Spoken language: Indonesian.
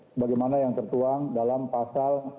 sebagaimana yang tertuang dalam pasal lima puluh